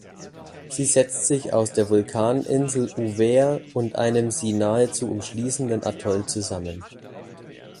Sie setzt sich aus der Vulkaninsel ʻUvea und einem sie nahezu umschließenden Atoll zusammen.